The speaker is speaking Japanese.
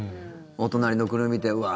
お隣の国見てうわ